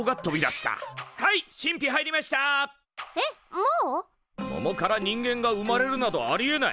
ももから人間が生まれるなどありえない！